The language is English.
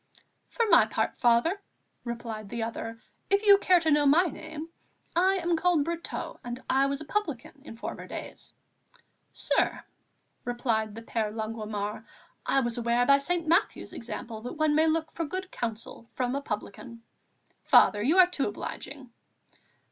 "For my part, Father," replied the other, "if you care to know my name, I am called Brotteaux, and I was a publican in former days." "Sir," returned the Père Longuemare, "I was aware by St. Matthew's example that one may look for good counsel from a publican." "Father, you are too obliging."